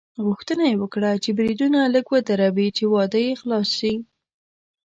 غوښتنه یې وکړه چې بریدونه لږ ودروي چې واده یې خلاص شي.